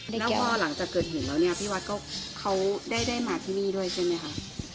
แล้วพอหลังจากเกิดเหตุแล้วเนี่ยพี่วัดก็เขาได้มาที่นี่ด้วยใช่ไหมคะ